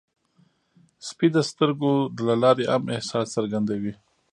سپي د سترګو له لارې هم احساس څرګندوي.